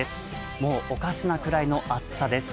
もうおかしなくらいの暑さです。